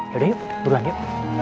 yaudah yuk buruan yuk